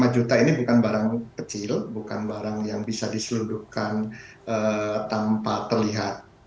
lima juta ini bukan barang kecil bukan barang yang bisa diselundupkan tanpa terlihat